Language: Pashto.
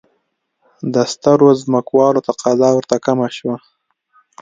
د سترو ځمکوالو تقاضا ورته کمه شوه.